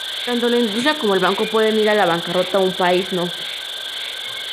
Tanto la industria como el banco pueden ir a la bancarrota, un país no.